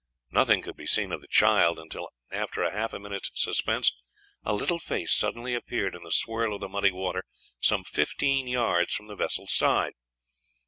Nothing could be seen of the child until, after half a minute's suspense, a little face suddenly appeared in the swirl of the muddy water some fifteen yards from the vessel's side.